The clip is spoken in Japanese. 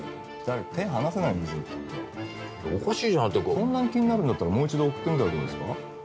そんなに気になるんだったらもう一度送ってみたらどうですか。